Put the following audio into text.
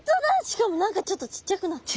しかも何かちょっとちっちゃくなった。